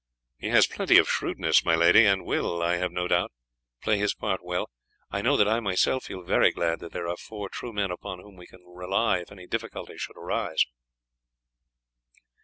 "He has plenty of shrewdness, my lady, and will, I have no doubt, play his part well. I know that I myself feel very glad that there are four true men upon whom we can rely if any difficulty should arise."